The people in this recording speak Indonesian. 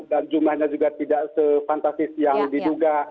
dan jumlahnya juga tidak se fantasis yang diduga